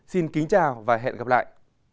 xin kính chào và hẹn gặp lại